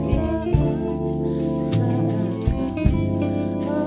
saat kau ada di dalamku